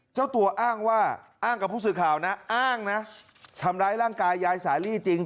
เจ้าตัวอ้างว่าอ้างกับผู้สื่อข่าวนะอ้างนะทำร้ายร่างกายยายสาลีจริง